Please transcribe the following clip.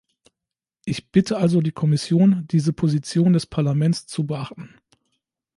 Ich bitte also die Kommission, diese Position des Parlaments zu beachten.